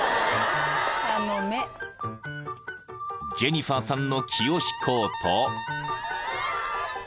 ［ジェニファーさんの気を引こうと］